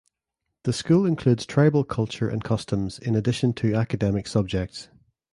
The school includes tribal culture and customs in addition to academic subjects.